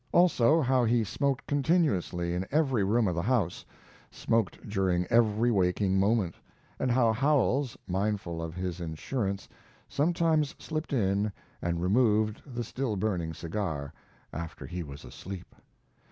Also, how he smoked continuously in every room of the house, smoked during every waking moment, and how Howells, mindful of his insurance, sometimes slipped in and removed the still burning cigar after he was asleep.